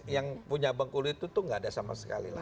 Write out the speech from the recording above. yang punya bengkulu itu tuh nggak ada sama sekali lah